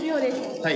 はい。